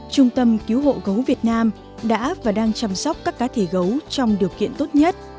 trung tâm cứu hộ gấu việt nam đã và đang chăm sóc các cá thể gấu trong điều kiện tốt nhất